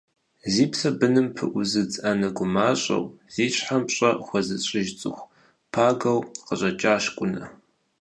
Зи псэр быным пыӏузыдз анэ гумащӏэу, зи щхьэм пщӏэ хуэзыщӏыж цӏыху пагэу къыщӏэкӏащ Кӏунэ.